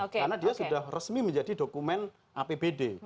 karena dia sudah resmi menjadi dokumen apbd